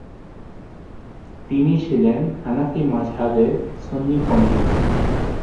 তিনি ছিলেন হানাফি মাজহাব এর সুন্নী পণ্ডিত।